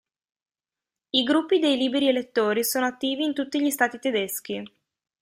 I gruppi dei Liberi Elettori sono attivi in tutti gli Stati tedeschi.